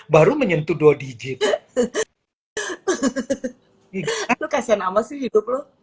baru menyentuh dua digit itu kasihan amas hidup lu